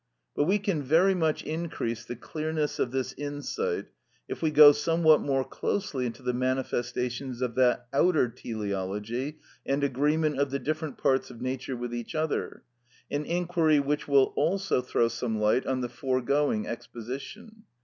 But we can very much increase the clearness of this insight if we go somewhat more closely into the manifestations of that outer teleology and agreement of the different parts of nature with each other, an inquiry which will also throw some light on the foregoing exposition.